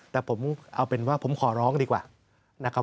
แต่ผมเอาเป็นว่าผมขอร้องดีกว่านะครับ